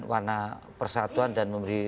warna persatuan dan memberi